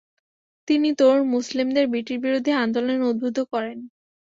তিনি তরুণ মুসলিমদের ব্রিটিশবিরোধী আন্দোলনে উদ্বুদ্ধ করেন।